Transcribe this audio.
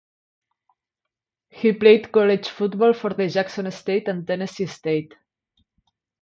He played college football for the Jackson State and Tennessee State.